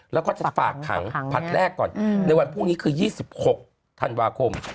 แล้วก็จะฝากขังผลัดแรกก่อนในวันพรุ่งนี้คือ๒๖ธันวาคม